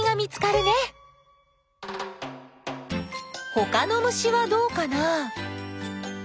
ほかの虫はどうかな？